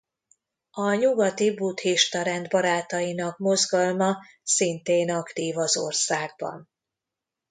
A Nyugati Buddhista Rend Barátainak mozgalma szintén aktív az országban.